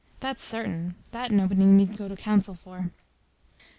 That's certain; that nobody need go to counsel for.